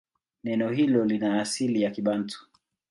Neno hilo lina asili ya Kibantu.